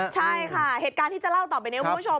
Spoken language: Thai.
ใช่ค่ะเหตุการณ์ที่จะเล่าต่อไปนี้คุณผู้ชม